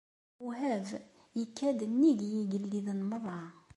Muhab, ikka-d nnig n yigelliden merra.